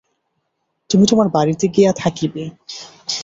তুমি তোমার বাড়িতে গিয়া থাকিবে।